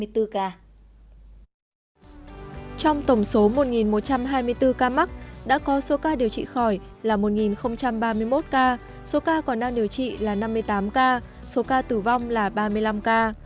trong tổng số một một trăm hai mươi bốn ca mắc đã có số ca điều trị khỏi là một ba mươi một ca số ca còn đang điều trị là năm mươi tám ca số ca tử vong là ba mươi năm ca